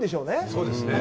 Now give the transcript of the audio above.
そうですね。